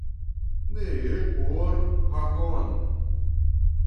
Ne por Hakon.